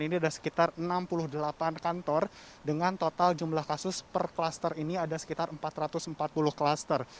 ini ada sekitar enam puluh delapan kantor dengan total jumlah kasus per kluster ini ada sekitar empat ratus empat puluh klaster